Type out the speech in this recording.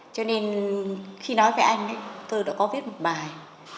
cho nên khi nói với anh tôi đã có viết một bài